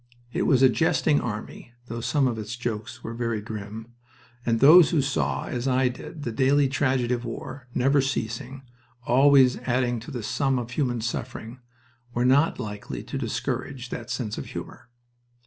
It was a jesting army (though some of its jokes were very grim), and those who saw, as I did, the daily tragedy of war, never ceasing, always adding to the sum of human suffering, were not likely to discourage that sense of humor.